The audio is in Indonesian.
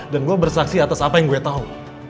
dan gue bersaksi atas apa yang gue tau